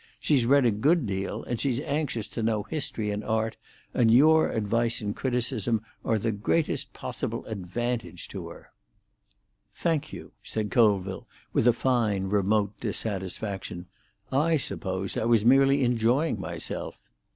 She's read a good deal, and she's anxious to know history and art; and your advice and criticism are the greatest possible advantage to her." "Thank you," said Colville, with a fine, remote dissatisfaction. "I supposed I was merely enjoying myself."